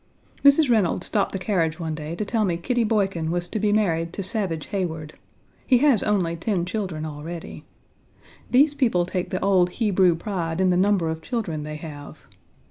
Mrs. Reynolds stopped the carriage one day to tell me Kitty Boykin was to be married to Savage Heyward. He has only ten children already. These people take the old Hebrew pride in the number of children they have.